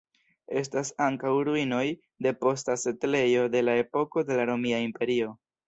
Estas ankaŭ ruinoj de posta setlejo de la epoko de la Romia Imperio.